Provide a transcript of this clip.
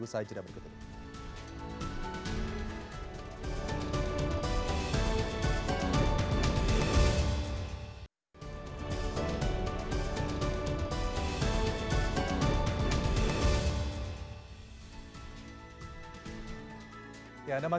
usai jeda berikutnya